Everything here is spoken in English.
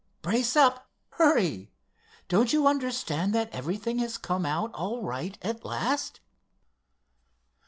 Brace up—hurry! Don't you understand that everything has come out all right at last?"